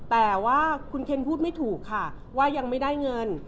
แต่ว่าคุณเคนพูดไม่ถูกค่ะว่ายังไม่ได้เงิน